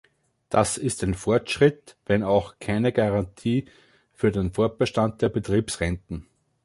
Das ist ein Fortschritt wenn auch keine Garantie für den Fortbestand der Betriebsrenten.